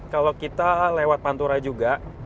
kalau kita lewat pantura juga